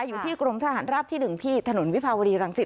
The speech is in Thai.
หรือที่กรมทหารรับที่หนึ่งที่ถนนวิภาวรีหลังจิต